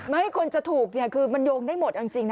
ไม่คนจะถูกเนี่ยคือมันโยงได้หมดเอาจริงนะ